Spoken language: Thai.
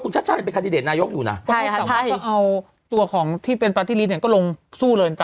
กุ้งชัชชาเป็นค่าดิเดรดนายกอยู่นะก็เอาตัวค่องที่เป็นปาร์ติรีสก์เห็นก็ลงสู้เลย